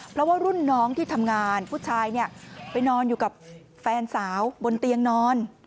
เพราะว่ารุ่นน้องที่ทำงานผู้ชายไปนอนอยู่กับแฟนสาวบนเตียงนอน